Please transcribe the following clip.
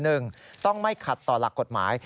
หนึ่งต้องไม่ขัดต่อหลักกฎหมาย